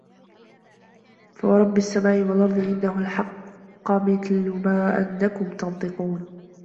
فَوَرَبِّ السَّماءِ وَالأَرضِ إِنَّهُ لَحَقٌّ مِثلَ ما أَنَّكُم تَنطِقونَ